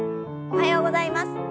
おはようございます。